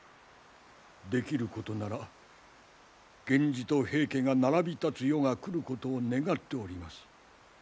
できることなら源氏と平家が並び立つ世が来ることを願っております。